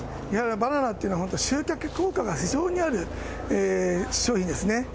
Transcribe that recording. バナナというのは、本当に集客効果が非常にある商品ですね。